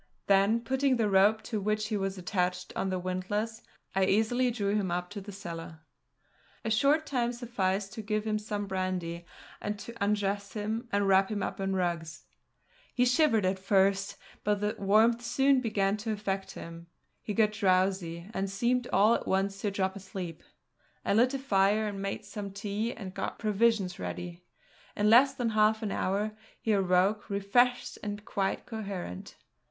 Then, putting the rope to which he was attached on the windlass, I easily drew him up to the cellar. A short time sufficed to give him some brandy, and to undress him and wrap him in rugs. He shivered at first, but the warmth soon began to affect him. He got drowsy, and seemed all at once to drop asleep. I lit a fire and made some tea and got provisions ready. In less than half an hour he awoke, refreshed and quite coherent.